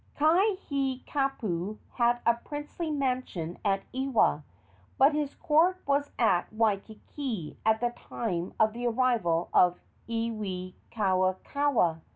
Kaihikapu had a princely mansion at Ewa, but his court was at Waikiki at the time of the arrival of Iwikauikaua.